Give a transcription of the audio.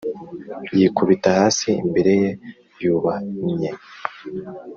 yikubita hasi imbere ye yubamye.